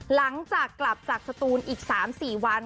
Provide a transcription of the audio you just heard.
หลังจากกลับจากสตูนอีก๓๔วัน